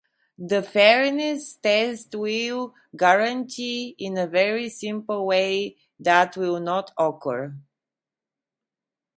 The fairness test will guarantee in a very simple way that will not occur.